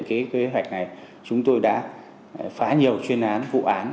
thực hiện cái kế hoạch này chúng tôi đã phá nhiều chuyên án vụ án